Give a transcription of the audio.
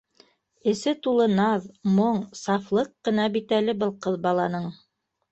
Эсе тулы наҙ, моң, сафлыҡ ҡына бит әле был ҡыҙ баланың